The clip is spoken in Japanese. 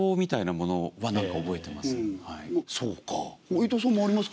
伊藤さんもありますか？